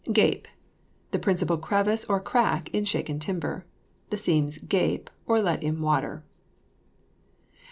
GAPE. The principal crevice or crack in shaken timber. The seams gape, or let in water.